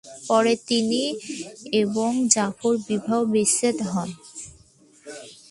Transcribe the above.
পরে তিনি এবং জাফর বিবাহ বিচ্ছেদ হন।